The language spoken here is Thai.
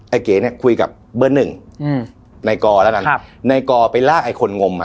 เก๋เนี้ยคุยกับเบอร์หนึ่งอืมในกอแล้วกันครับนายกอไปลากไอ้คนงมอ่ะ